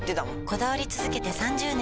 こだわり続けて３０年！